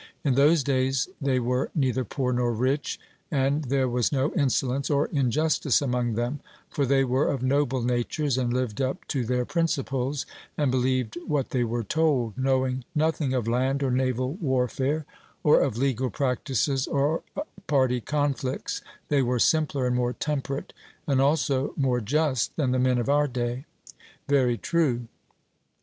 In those days they were neither poor nor rich, and there was no insolence or injustice among them; for they were of noble natures, and lived up to their principles, and believed what they were told; knowing nothing of land or naval warfare, or of legal practices or party conflicts, they were simpler and more temperate, and also more just than the men of our day. 'Very true.'